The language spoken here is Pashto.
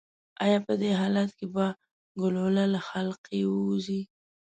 ایا په دې حالت کې به ګلوله له حلقې ووځي؟